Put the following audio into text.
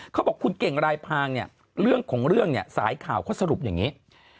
เขาบอกคุณเก่งรายพางเนี่ยเรื่องของเรื่องเนี่ยสายข่าวเขาสรุปอย่างนี้